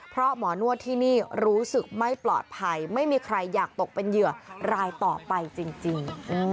เพราะหมอนวดที่นี่รู้สึกไม่ปลอดภัยไม่มีใครอยากตกเป็นเหยื่อรายต่อไปจริง